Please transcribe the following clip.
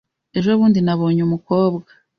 Ejobundi nabonye umukobwa.